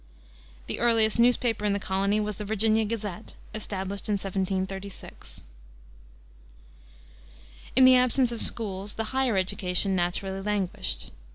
The earliest newspaper in the colony was the Virginia Gazette, established in 1736. In the absence of schools the higher education naturally languished.